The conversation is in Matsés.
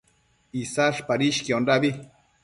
Isash padishquiondabi